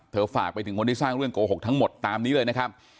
ฝากไปถึงคนที่สร้างเรื่องโกหกทั้งหมดตามนี้เลยนะครับ